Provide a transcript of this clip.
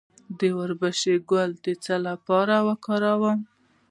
د وربشو ګل د څه لپاره وکاروم؟